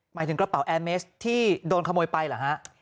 หมายถึงกระเป๋าแอร์เมสที่โดนขโมยไปเหรอฮะ